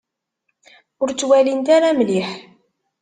Ur ttwalint ara mliḥ.